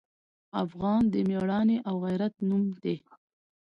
افغان د میړانې او غیرت نوم دی.